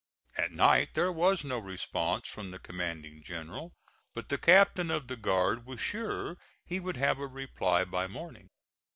At night there was no response from the commanding general, but the captain of the guard was sure he would have a reply by morning.